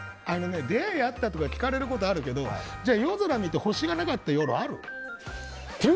出会いあった？とか聞かれることあるけど夜空見て星が出なかった日、ある？